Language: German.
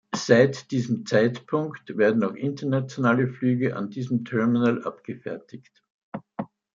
Seit diesem Zeitpunkt werden auch internationale Flüge an diesem Terminal abgefertigt.